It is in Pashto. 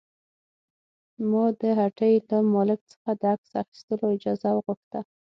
ما د هټۍ له مالک څخه د عکس اخیستلو اجازه وغوښته.